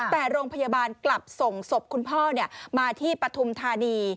แต่โรงพยาบาลกลับส่งศพคุณพ่อมาที่ปฐุมธานี